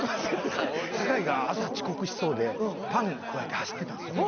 酒井が朝遅刻しそうでパンくわえて走ってたんですよ。